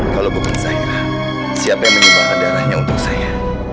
kalau bukan saya siapa yang menyumbangkan darahnya untuk saya